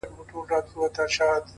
کلي ته ولاړم هر يو يار راڅخه مخ واړوئ,